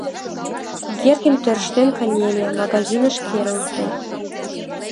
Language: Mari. Кугергин тӧрштен кынеле, магазиныш керылте.